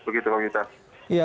begitu bang yuda